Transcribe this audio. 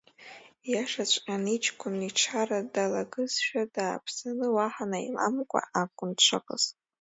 Ииашаҵәҟьан, иҷкәын ичара далагылазшәа дааԥсаны, уаҳа наиламкәа акәын дшыҟаз.